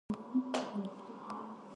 انشا خپل بیان نه پیاوړی کوي.